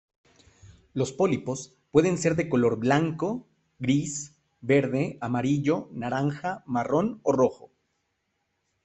Los pólipos pueden ser de color blanco, gris, verde, amarillo, naranja, marrón o rojo.